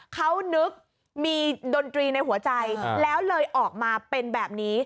เขานึกมีดนตรีในหัวใจแล้วเลยออกมาเป็นแบบนี้